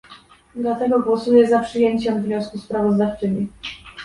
Dlatego głosuję za przyjęciem wniosku sprawozdawczyni